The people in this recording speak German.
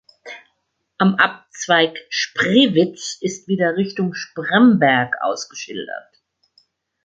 Am Abzweig Spreewitz ist wieder Richtung Spremberg ausgeschildert.